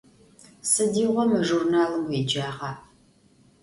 Sıdiğo mı jjurnalım vuêcağa?